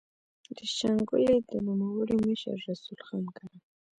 د شانګلې د نوموړي مشر رسول خان کره